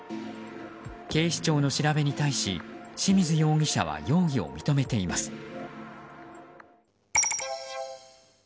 警視庁の調べに対し清水容疑者は容疑を認めています。